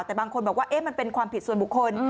แต่บางคนบอกว่ามันเป็นความผิดส่วนบุคคล